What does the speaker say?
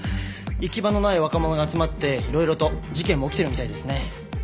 行き場のない若者が集まっていろいろと事件も起きてるみたいですね。